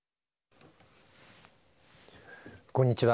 こんにちは。